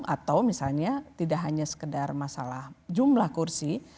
atau misalnya tidak hanya sekedar masalah jumlah kursi